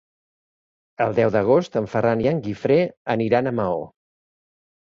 El deu d'agost en Ferran i en Guifré aniran a Maó.